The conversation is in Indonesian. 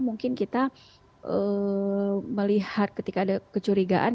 mungkin kita melihat ketika ada kecurigaan